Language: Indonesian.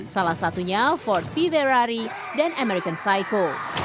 salah satunya fort viverary dan american psycho